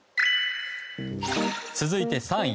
続いて３位。